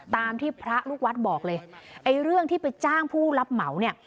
ตามที่พระลูกวัดบอกเลยไอ้เรื่องที่ไปจ้างผู้รับเหมาเนี่ย